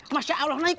masya allah naik